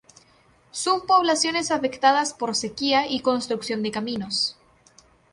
Subpoblaciones afectadas por sequía y construcción de caminos.